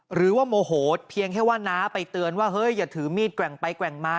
หรือว่าโมโหเพียงแค่ว่าน้าไปเตือนว่าเฮ้ยอย่าถือมีดแกว่งไปแกว่งมา